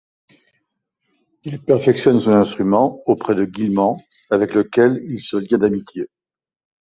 Il perfectionne son instrument auprès de Guilmant avec lequel il se lia d'amitié.